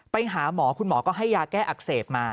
ไปหาหมอคุณหมอก็ให้ยาแก้อักเสบมา